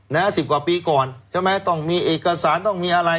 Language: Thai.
สิบกว่าปีก่อนใช่ไหมต้องมีเอกสารต้องมีอะไร